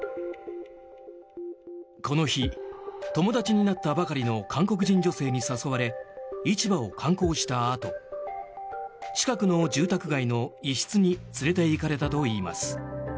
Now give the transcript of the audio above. この日、友達になったばかりの韓国人女性に誘われ市場を観光したあと近くの住宅街の一室に連れていかれたといいます。